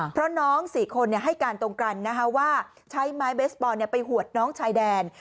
เพราะน้อง๔คนให้การตรงกันว่าใช้ไม้เบสบอลไปหวดน้องชายแดน